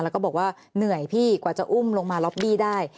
แล้วก็บอกว่าเหนื่อยพี่กว่าจะอุ้มลงมาล็อบบี้ได้